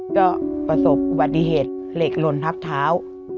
ก็ประสบอุบัติเหตุเหล็กหล่นทับเท้า